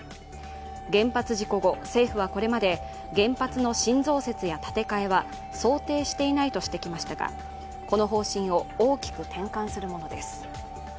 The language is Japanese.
原発事故後、政府はこれまで原発の新増設や建て替えは想定していないとしてきましたがこの方針を大きく転換するものです。